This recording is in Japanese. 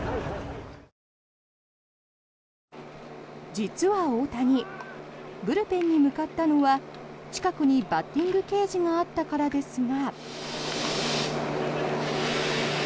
実は大谷ブルペンに向かったのは近くにバッティングケージがあったからですが。